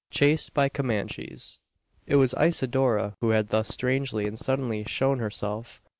CHASED BY COMANCHES. It was Isidora who had thus strangely and suddenly shown herself.